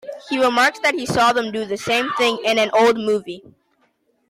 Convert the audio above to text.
He remarks that he saw them do the same thing in an old movie.